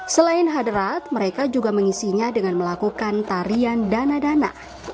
selain hadrat mereka juga mengisinya dengan melakukan tarian dana dana